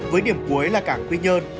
với điểm cuối là cảng quy nhơn